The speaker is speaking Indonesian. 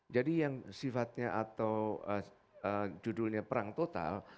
jadi yang sifatnya atau judulnya perang total